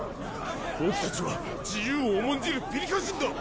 ボクたちは自由を重んじるピリカ人だ！